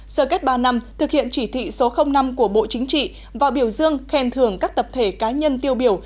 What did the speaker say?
sở kết ba năm thực hiện chỉ thị số năm của bộ chính trị và biểu dương khen thường các tập thể cá nhân tiêu biểu